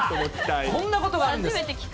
こんなことがあるんです。